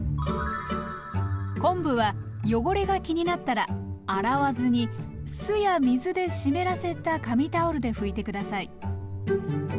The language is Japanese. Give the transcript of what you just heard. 昆布は汚れが気になったら洗わずに酢や水で湿らせた紙タオルで拭いて下さい。